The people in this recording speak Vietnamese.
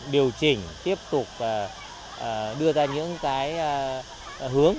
điều chỉnh tiếp tục đưa ra những cái hướng